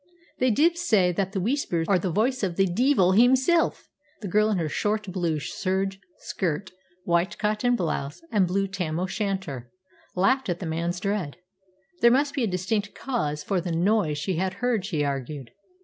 They div say that the Whispers are the voice o' the De'il himsel'." The girl, in her short blue serge skirt, white cotton blouse, and blue tam o' shanter, laughed at the man's dread. There must be a distinct cause for this noise she had heard, she argued.